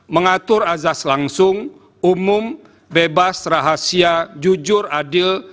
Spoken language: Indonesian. mengatur azas langsung umum bebas rahasia jujur adil